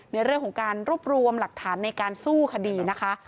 ในเรื่องของการรวบรวมหลักฐานในการสู้คดีนะคะ